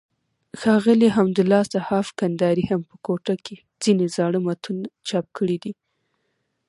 ښاغلي حمدالله صحاف کندهاري هم په کوټه کښي ځينې زاړه متون چاپ کړي دي.